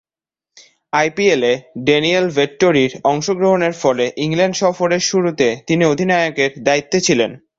আইপিএলে ড্যানিয়েল ভেট্টোরি’র অংশগ্রহণের ফলে ইংল্যান্ড সফরের শুরুতে তিনি অধিনায়কের দায়িত্বে ছিলেন।